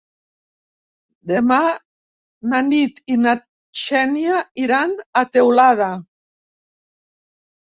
Demà na Nit i na Xènia iran a Teulada.